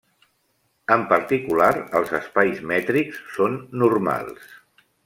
En particular els espais mètrics són normals.